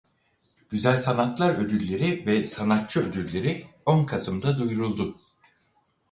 Güzel sanatlar ödülleri ve sanatçı ödülleri on Kasımda duyuruldu.